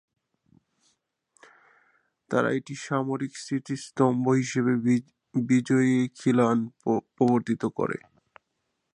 তারা একটি সামরিক স্মৃতিস্তম্ভ হিসাবে বিজয়ী খিলান প্রবর্তিত করে।